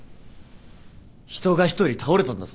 人が一人倒れたんだぞ。